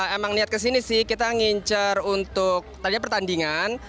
emang niat kesini sih kita ngincar untuk tadinya pertandingan